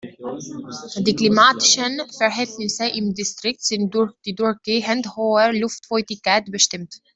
Die klimatischen Verhältnisse im Distrikt sind durch die durchgehend hohe Luftfeuchtigkeit bestimmt.